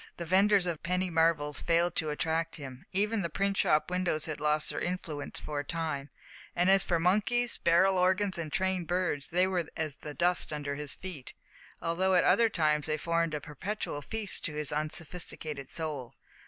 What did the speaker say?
The vendors of penny marvels failed to attract him. Even the print shop windows had lost their influence for a time; and as for monkeys, barrel organs, and trained birds, they were as the dust under his feet, although at other times they formed a perpetual feast to his unsophisticated soul.